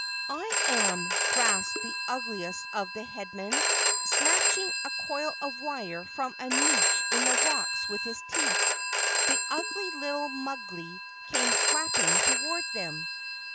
"I am," rasped the ugliest of the Headmen. Snatching a coil of wire from a niche in the rocks with his teeth, the ugly little Mugly came flapping toward them.